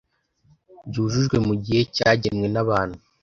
byujujwe mu gihe cyagenwe nabantu